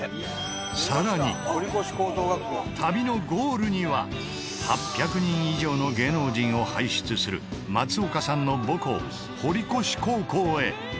更に８００人以上の芸能人を輩出する松岡さんの母校堀越高校へ！